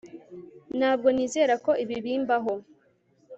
Ntabwo nizera ko ibi bimbaho